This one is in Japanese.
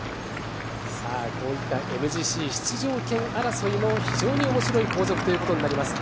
こういったＭＧＣ出場権争いも非常に面白い後続ということになります。